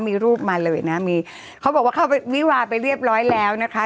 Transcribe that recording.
มีรูปมาเลยนะมีเขาบอกว่าเข้าไปวิวาไปเรียบร้อยแล้วนะคะ